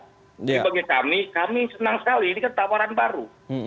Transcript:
jadi bagi kami kami senang sekali ini kan tawaran baru